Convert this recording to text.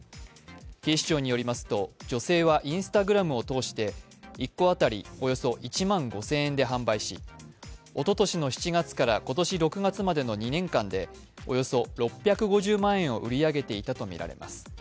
警視庁によりますと女性はＩｎｓｔａｇｒａｍを通して１個当たりおよそ１万５０００円で販売し、おととしの７月から今年６月までの２年間でおよそ６５０万円を売り上げていたとみられます。